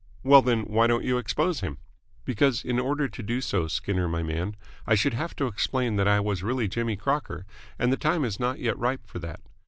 "Well, then, why don't you expose him?" "Because in order to do so, Skinner my man, I should have to explain that I was really Jimmy Crocker, and the time is not yet ripe for that.